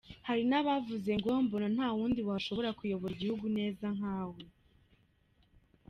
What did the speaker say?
Hari n’abavuzre ngo: “Mbona nta wundi washobora kuyobora igihugu neza nka we.